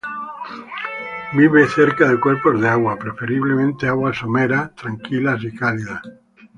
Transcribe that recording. Vive cerca de cuerpos de agua, preferiblemente aguas someras, tranquilas y cálidas.